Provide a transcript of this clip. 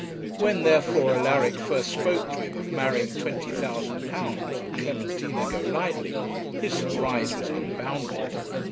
When, therefore, Alaric first spoke to him of marrying £20,000 and Clementina Golightly, his surprise was unbounded.